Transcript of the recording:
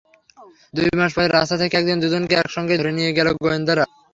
দুই মাস পরেই রাস্তা থেকে একদিন দুজনকে একসঙ্গেই ধরে নিয়ে গেল গোয়েন্দারা।